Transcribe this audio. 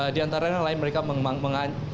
di antara lain mereka